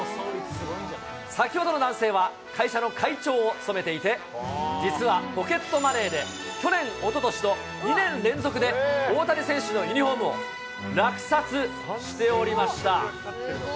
先ほどの男性は会社の会長を務めていて、実はポケットマネーで去年、おととしと２年連続で大谷選手のユニホームを落札しておりました。